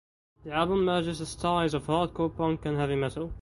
The album merges the styles of hardcore punk and heavy metal.